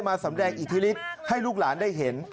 สำแดงอิทธิฤทธิ์ให้ลูกหลานได้เห็น